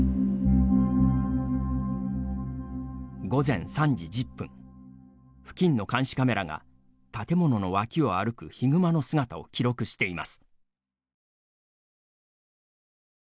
午前３時１０分付近の監視カメラが建物の脇を歩くヒグマの姿を記録しています。